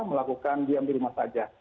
melakukan diam di rumah saja